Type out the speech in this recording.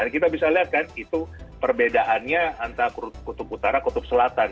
kita bisa lihat kan itu perbedaannya antara kutub utara kutub selatan